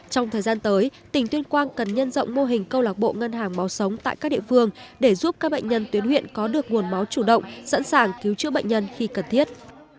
trong thời gian tới tỉnh tuyên quang cần nhân rộng mô hình câu lạc bộ ngân hàng máu sống tại các địa phương để giúp các bệnh nhân tuyến huyện có được nguồn máu chủ động sẵn sàng cứu chữa bệnh nhân khi cần thiết